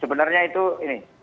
sebenarnya itu ini